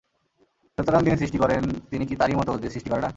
সুতরাং যিনি সৃষ্টি করেন, তিনি কি তারই মত, যে সৃষ্টি করে না?